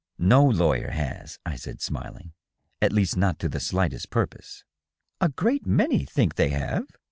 " No lawyer has," I said, smiling ;" at least not to the slightest purpose." " A great many think they have."